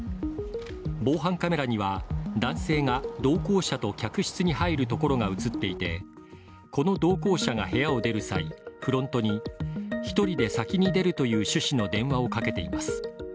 防犯カメラには男性が同行者と客室に入るところが映っていて、この同行者が部屋を出る際、フロントに１人で先に出るという趣旨の電話をかけています。